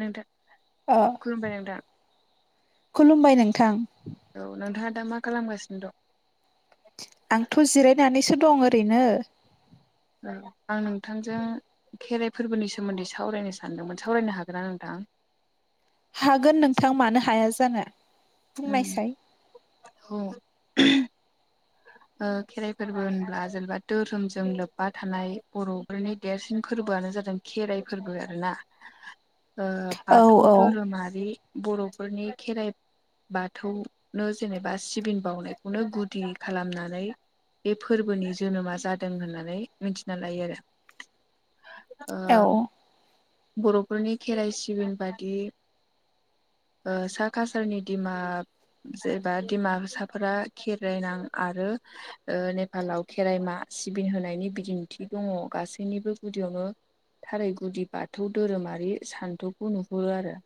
नोंथां ओ खुलुमबाय नोंथां खुलुमबाय नोंथां औ नोंथाङा दा मा खालामगासिनो दं आंथ' जिरायनानैसो दं ओरैनो औ आं नोंथांजों खेराइ फोरबोनि सोमोन्दै सावरायनो सानदोंमोन सावरायनो हागोन ना नोंथां? हागोन नोंथां मानो हाया जानो ओम बुंनायसाय औ [unintelligible] ओ खेराइ फोरबो होनब्ला जेनेबा धोरोमजों लोब्बा थानाय बर' फोरनि देरसिन फोरबोआनो जादों खेराइ फोरबो आरोना ओ औ बाथौ औ धोरोमारि बर'फोरनि खेराइ बाथौनो जेनेबा सिबिन बावनायखौनो गुदि खालामनानै बे फोरबोनि जोनोमा जादों होननानै मिथिना लायो आरो ओ औ बर'फोरनि खेराइ सिबिन बादि ओ सा कासारनि दिमा जेबा डिमासाफोरा खेराइनां आरो ओ नेपालाव खेराइमा सिबि होनायनि बिदिन्थि दङ गासैनिबो गुदियावनो थाराय गुदि बाथौ धोरोमारि सान्थौखौ नुहुरो आरो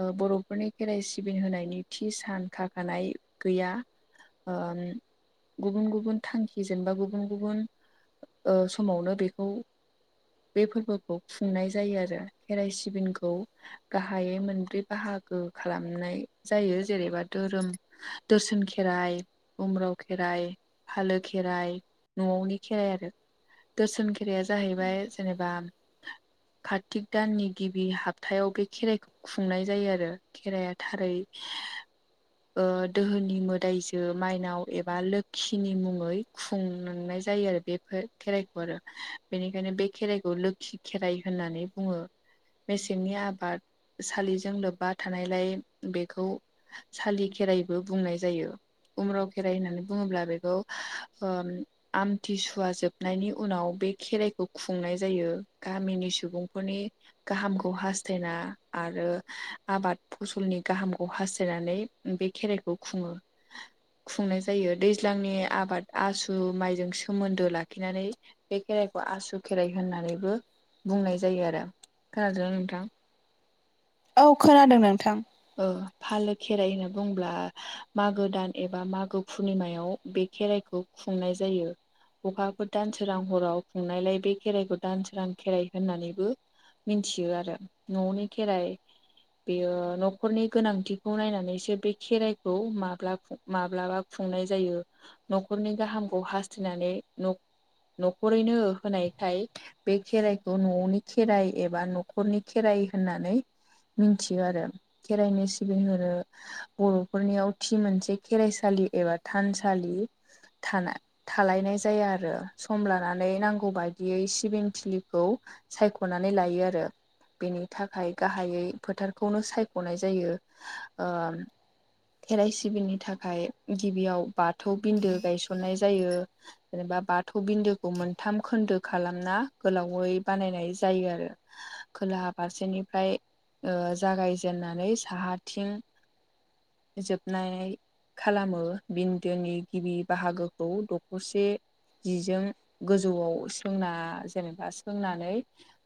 ओ बर'फोरनि खेराइ सिबि होनायनि थि सान खाखानाय गैया ओ गुबुन गुबुन थांखिजों बा गुबुन गुबुन ओ‌ समावनो बेखौ बे फोरबोखौ खुंनाय जायो आरो खेराइ सिबिनखौ। गाहायै मोनब्रै बाहागो खालामनाय जायो जेनेबा धोरोम दर्सन खेराइ उमब्राव खेराइ, फालो खेराइ, न'आवनि खेराइ आरो दोरसोन खेराया जाहैबाय जेनेबा कार्तिक दाननि गिबि हाप्थायाव बे खेराइखौ खुंनाय जायो आरो खेराइया थारै ओ दोहोनि मोदाइजो माइनाव एबा लोखिनि मुंङै खुंनांनाय जायो आरो बेफोर खेराइखौ आरो बेनिखायनो बे खेराइखौ लोखि खेराइ होननानै बुङो। मेसेंनि आबाद सालिजों लोब्बा थानायलाय बेखौ सालि खेराइबो बुंनाय जायो। उम्राव खेराइ होननानै बुङोब्ला बेखौ ओ आमथि सुवा जोबनायनि उनाव बे खेराइखौ खुंनाय जायो। गामिनि सुबुंफोरनि गाहामखौ हास्थायना आरो आबाद फसलनि गाहामखौ हास्थायनानै बे खेराइखौ खुङो। खुंनाय जायो दैज्लांनि आबाद आसु माइजों सोमोन्दो लाखिनानै बे खेराइखौ आसु खेराइ होननानैबो बुंनाय जायो आरो खोनादों ना नोंथां। औ खोनादों नोंथां। ओ फालो खेराइ होनना बुङोब्ला मागो दान एबा मागो पुर्निमायाव बे खेराइखौ खुंनाय जायो। अखाफोर दान सोरां हराव खुंनायलाय बे खेराइखौ दान सोरां खेराइ होननानैबो मिथियो आरो न'नि खेराइ बेयो न'खरनि गोनांथिखौ नायनानैसो बे खेराइखौ माब्ला माब्लाबा खुंनाय जायो। न'खरनि गाहामखौ हास्थायनानै न'खरैनो होनायखाय बे खेराइखौ न'नि खेराइ एबा न'खरनि खेराइ होननानै मिथियो आरो खेराइनो सिबिंहरो बर'फोरनियाव थि मोनसे खेराइसालि एबा थानसालि थानाया थालायनाय जाया आरो सम लानानै नांगौ बायदियै सिबिं थिलिखौ सायख'नानै लायो आरो बेनि थाखाय गाहायै फोथारखौनो सायख गनाय जायो ओ खेराइसिबिलनि थाखाय गिबियाव बाथ बाथौ बिन्दो गायसननाय जायो। जेनेबा बाथौ बिन्दोखौ मोनथाम खोन्दो खालामना गोलावै बानायनाय जायो आरो। खोलाहा फारसेनिफ्रा ओ जागायजेननानै साहाथिं जोबनाय खालामो बिन्दोनि गिबि बाहागोखौ दख'से जिजों गोजौआव सोंना जेनेबा सोंनानै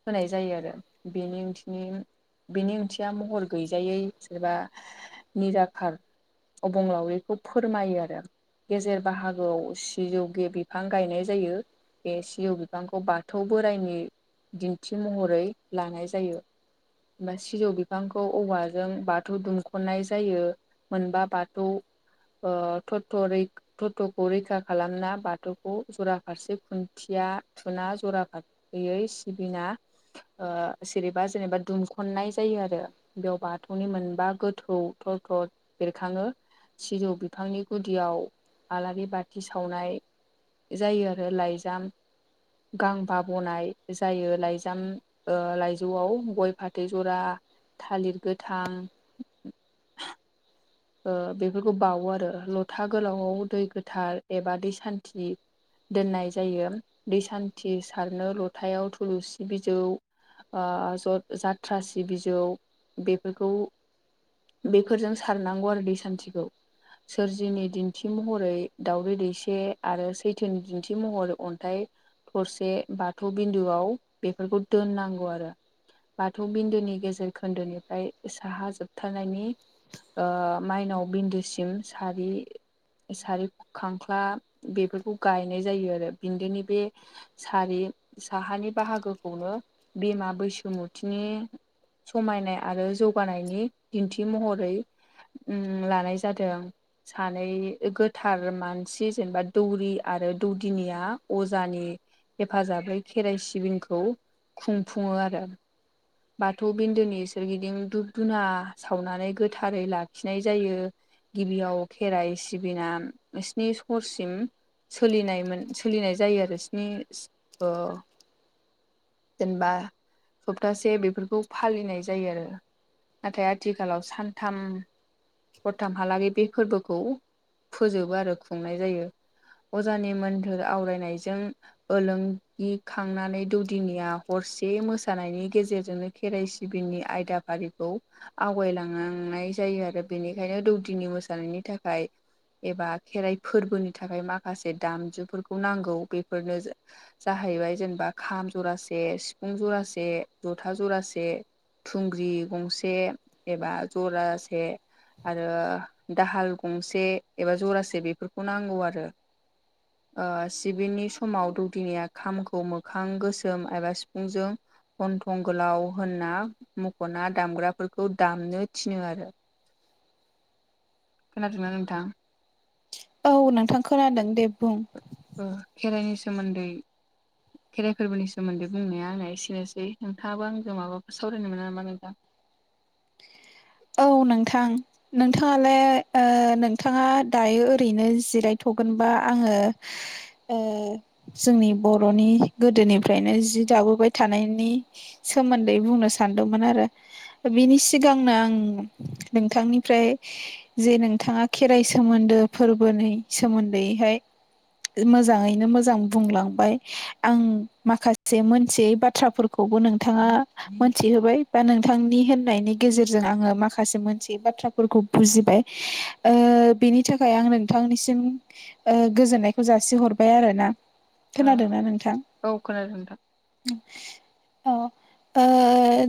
होनाय जायो आरो बेनिं बेनि ओंथिया महर गैजायै सोरबा निराखार अबंलावरिखौ फोरमायो आरो। गेजेर बाहागोआव सिजौ गे बिफां गायनाय जायो। बे सिजौ बिफांखौ बाथौ बोराइनि दिन्थि महरै लानाय जायो। बा सिजौ बिफां खौ औवाजों बाथौ दुमख'नाय जायो मोनबा बाथौ ओ थथ'रि [unintelligible] रैखा खालामना बाथौखौ जराफारसे खुन्थिया थुना जराफारसे गयै सिबिना जेरेबा जेनेबा दुमखननाय जायो आरो। बेयाव बाथौनि मोनबा गोथौ थर थर बेरखाङो सिजौ बिफांनि गुदियाव आलारि बाथि सावनाय जायो आरो लाइजाम गांबा बनाय जायो लाइजाम ओ लाइजौआव गय फाथै जरा थालिर गोथां बेफोरखौ बावोआरो लथा गोलावाव दै गोथार एबा दै सान्थि दोननाय जायो दै सान्थि सारनो लथायाव थुलुसि बिजौ ओ ज जाथ्रासि बिजौ बेफोरखौ बेफोरजों सारनांगौ आरो दै सान्थिखौ। सोरजिनि दिन्थि महरै दावदै दैसे आरो सैथोनि दिन्थि महरै अन्थाइ थरसे बाथौ बिन्दुआव बेफोरखौ दोननांगौ आरो। बाथौ बिन्दोनि गेजेर खोन्दोनिफ्राय साहा जोबथारनायनि ओ माइनाव बिन्दोसिम सारि सारि खांख्ला बेफोरखौ गायनाय जायो आरो बिन्दोनि बे सारि साहानि बाहागोखौनो बिमा बैसुमुथिनि समायनाय आरो जौगानायनि दिन्थि महरै उ लानाय जादों आं। सानै गोथार मानसि जेनेबा दौरि आरो दौदिनिया अजानि हेफाजाबै खेराइ सिबिंखौ खुंफुङो आरो बाथौ बिन्दोनि सोरगिदिं धुुब-धुना सावनानै गोद थारै लाखिनाय जायो। गिबियाव खेराइ सिबिना स्नि सरसिम सोलिनायमोन सोलिनाय जायो आरो सनि जेनेबा सप्तासे बेफोरखौ फालिनाय जायो आरो। नाथाय आथिखालाव सानथाम हरथामहालागै बे फोरबोखौ फोजोबो आरो खुंनाय जायो। अजानि मोन्धोर आवरायनायजों ओलोंगिखांनानै दौदिनिया हरसे मोसानायनि गेजेरजोंनो खेराइ सिबिंनि आयदाफारिखौ आवगायलाङा। संनाय जायो आरो बेनिखायनो दौदिनि मोसानायनि थाखाय एबा खेराइ फोरबोनि थाखाय माखासे दामजुफोरखौ नांगौ बेफोरनो जा जाहैबाय जेनेबा खाम जरासे सिफुं जरासे जथा जरासे थुंग्रि गंसे एबा जरासे आरो दाहाल गंसे एबा जरासे बेफोरखौ नांगौ आरो। [inaudible] ओ सिबिनि समाव दौदिनिया खामखौ मोखां गोसोम एबा सिफुंजों गनथं गोलाव होनना मुख'ना दामग्राफोरखौ दामनो थिनो आरो खोनादोंना नोंथां औ नोंथां खोनादों दे बुं खेराइनि सोमोन्दै खेराइ फोरबोनि सोमोन्दै बुंनाया आंना एसेनोसै नोंथाङाबो आंजों माबाफोर सावरायनो मोना नामा नोंथां औ नोंथां नोंथाङालाय नोंथाङा दायो ओरैनो जिरायथ'गोनबा आङो ओ जोंनि बर'नि गोदोनिफ्रायनो जि दाबोबाय थानायनि सोमोन्दै बुंनो सानदोंमोन आरो बिनि सिगांनो आं नोंथांनिफ्राय जे नोंथांआ खेराइ सोमोन्दो फोरबोनि सोमोनदैहाय मोजाङैनो मोजां बुंलांबाय आं माखासे मोनथियै बाथ्राफोरखौबो नों नोंथांआ मोनथिहोबाय बा नोंथांनि होननायनि गेजेरजों आंङो माखासे माखासे मोनसे बाथ्राफोरखौ बुजिबाय बेनि थाखाय आं नोंथांनिसिम गोजोननायखौ जासिहरबाय आरो ना ओ खोनादोंना नोंथां औ खोनादों नोंथां औ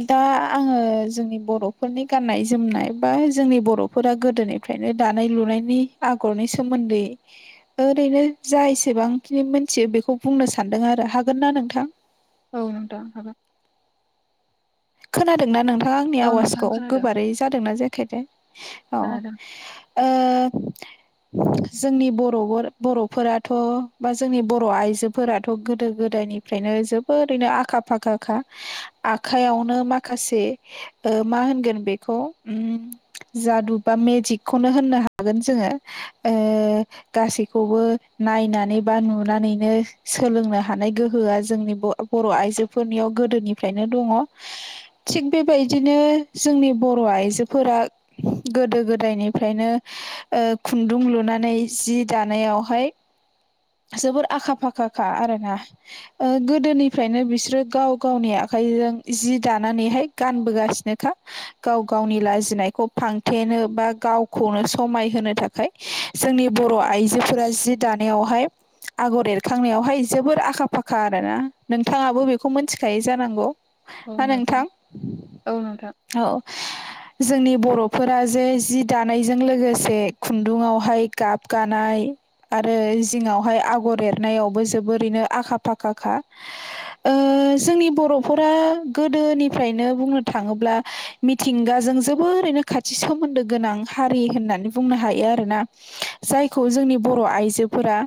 दा आङो जोंनि बर'फोरनि गाननाय जोमनाय बा जोंनि बर'फोरा गोदोनिफ्रायनो दानाय लुनायनि आगरनि सोमोन्दै ओरैनो जा एसेबांखिनि मोनथियो बेखौ बुंनो सानदों आरो हागोन ना नोंथां औ नोंथां हागोन खोनादोंना नोंथाङा आंनि औ नोंथां आवाजखौ खोनादों गोबारै जादोंना जेखायद औ खोनादों ओ जोंनि बर' बर'फोराथ' बा जोंनि बर' आइजोफोराथ' गोदो गोदायनि ओमफ्रायनो जोबोर ओैनो आखा फाखाखा आखयावनो ओ माखासे मा होनगोन बेखौ उम जादु बा मेजिकखौनो होननो हागोन जोङो। ओ गासैखौबो नायनानै बा नुनानैनो सोलोंनो हानाय गोहोआ जोंनि बर' आइजोफोरनियाव गोदोनिफ्रायनो दङ। थिग बेबायदिनो जोंनि बर' आइजोफोरा गोदो गोदायनिफ्रायनो ओ खुन्दुं लुनानै जि दानायावहाय जोबोर आखा फाखाखा आरोना। ओ गोदोनिफ्रायनो बिसोरो गाव गावनि आखाइजों जि दानानैहाय गानबोगासिनोखा। गाव गावनि लाजिनायखौ फांथेनो बा गावखौनो समायहोनो थाखाय जोंनि बर आइजोफोरा जि दानायावहाय आगर एरखांनायावहाय जोबोर आखा फाखा आरोना नोंथाङाबो बेखौ मोनथिखायोै जानांगौ। हा नोंथां? औ नोंथां औ जोंनि बरफोरा जे जि दानायजों लोगोसे खुन्दुंआवहाय गाब गानाय आरो जिङावहाय आगर एरनायावबो जोबोरैनो आखा फाखाखा। ओ जोंनि बर' फोरा गोदोनिफ्रायनो बुंनो थाङोब्ला मिथिंगाजों जोबोरैनो खाथि सोमोन्दो गोनां हारि होननानै बुंनो हायो आरोना। जायखौ जोंनि बर आइजोफोरा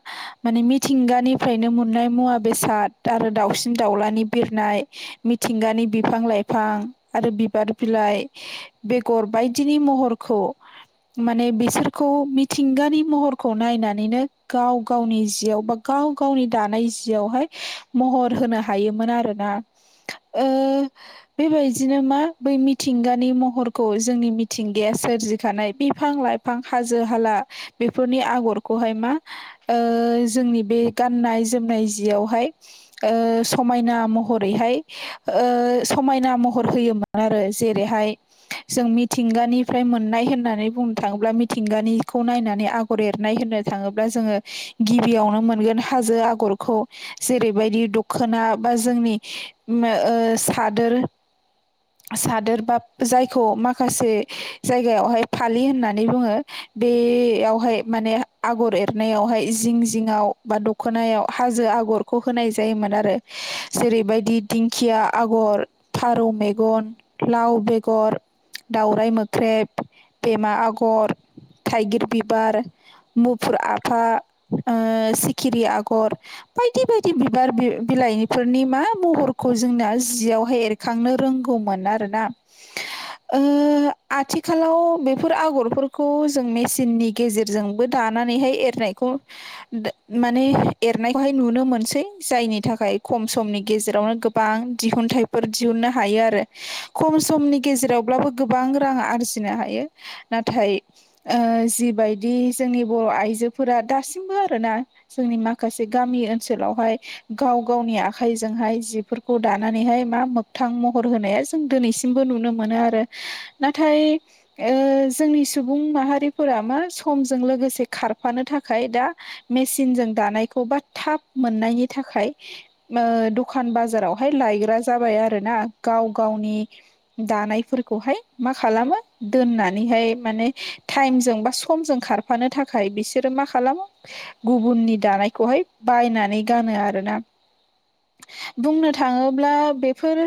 माने मिथिंगानिफ्रायनो मोननाय मुवा बेसाद आरो दाउसिन दाउलानि बिरनाय मिथिंगानि बिफां लाइफां आरो बिबार बिलाइ बेगर बायदिनि महरखौ माने बिसोरखौ मिथिंगानि महरखौ नायनानैनो गाव गावनि जियाव बा गाव गावनि दानाय जियावहाय महर होनो हायोमोन आरोना। ओ बेबायदिनो मा बै मिथिंगानि महरखौ जोंनि मिथिंगाया सोरजिखानाय बिफां लाइ फां हाजो हाला बेफोरनि आगरखौहाय मा ओ जोंनि बे गाननाय जोमनाय जियावहाय ओ समायना महरैहाय ओ समायना महर होयोमोन आरो जेरैहाय जों मिथिंगानिफ्राय मोननाय होननानै बुंनो थाङोब्ला मिथिंगानिखौ नायनानै आ गर एरनाय होननो थाङोब्ला जोङो गिबियावनो मोनगोन हाजो आगरखौ। जेरैबायदि दखोना बा जोंनि मे ओ सादोर सादोर बा जायखौ माखासे जायगायावहाय फालि होननानै बुङो। बेयावहाय माने आगर एरनायावहाय जिं जिङआव बा दख'नायाव हाजो आगरखौ होनाय जायोमोन आरो जेरैबायदि दिंखिया आगर, फारौ मेगन, लाव बेगर, दाउराइ मोख्रेब, बेमा आगर, थाइगिर बिबार मुफुर आफा, ओ सिखिरि आगर, बायदि बायदि बिबार बिलाइफोरनि मा महर खौ जोंना जियावहाय एरखांनो रोंगौमोन आरोना। ओ आथिखालाव बेफोर आगरफोरखौ जों मेसिननि गेजेरजोंबो दानानैहाय एरनायखौ माने एरनायखौहाय नुनो मोनसै जायनि थाखाय खम समनि गेजेरावनो गो बां दिहुनथफोर दिहुननो हायो आरो खम समनि गेजेरावब्लाबो गोबां रां आरजिनो हायो। नाथाय ओ जिबायदि जोंनि बर' आइजोफोरा दासिमबो आरोना जोंनि माखासे गामि ओनसोलावहाय गाव गावनि आखाइजोंहाय जि बेफोरखौ दानानैहाय मा मोगथां महर होनाया जों दिनैसिमबो नुनो मोनो आरो नाथाय ओ जोंनि सुबुं माहारिफोरा मा समजों लोगोसे खारफानो थाखाय दा मेसिन ज दानायखौ बा थ मोननायनि थाखाय ओ दखान बाजा रावहाय लायग्रा जाबाय आरोना गाव गावनि दानायफोरखौहाय मा खालामो दोननानैहाय माने टाइमजों बा समजों खार फानो थाखाय बिसोरो मा खालामो गुबुननि दानायखौहाय बायनानै गानो आरोना। बुंनो थाङोब्ला बेफोर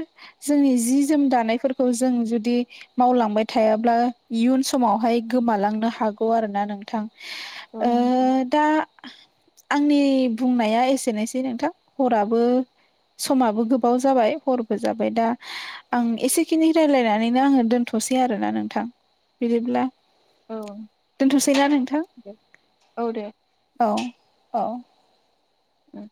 जोंनि जि जोम दानायफोरखौ जों जुदि मावलांबाय थायाब्ला इयुन समावहाय गोमालांनो हागौ आरोना नोंथां औ ओ नोंथां दा आंनि बुंनाया एसेनोसै नोंथां हराबो समाबो गोबाव जाबाय हरबो जाबाय दा आं एसेखिनि रायजलायनानैनो आङो दोन्थ'सै आरोना नोंथां बिदिब्ला औ दोनथ'सैना नोंथां दे औ दे औ औ उम